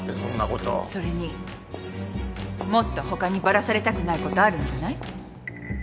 それにもっと他にバラされたくないことあるんじゃない？